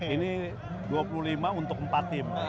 ini dua puluh lima untuk empat tim